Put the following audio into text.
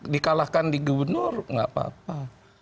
dikalahkan di gubernur nggak apa apa